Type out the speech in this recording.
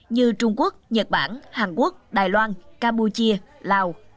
như trung quốc nhật bản hàn quốc đài loan campuchia lào